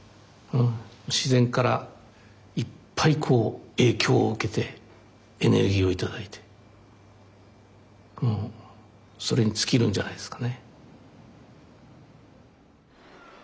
自然からいっぱい影響を受けてエネルギーを頂いてもうそれに尽きるんじゃないですかね。